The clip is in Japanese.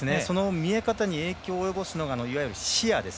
見え方に影響を及ぼすのがいわゆる視野です。